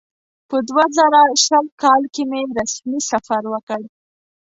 په دوه زره شل کال کې مې رسمي سفر وکړ.